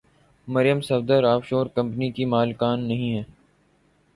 مریم Safdar offshore کمپنیوں کی مالکن نہیں ہیں؟